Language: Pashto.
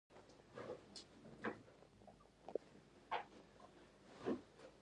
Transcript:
هوټل پروان کې د درملو شرکتونه دي.